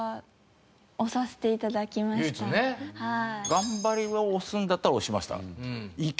頑張りを押すんだったら押しました。